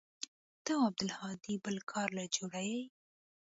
ته او عبدالهادي بل كار له جوړ يې.